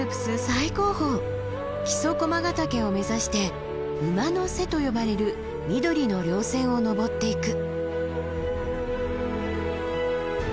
最高峰木曽駒ヶ岳を目指して「馬の背」と呼ばれる緑の稜線を登っていく。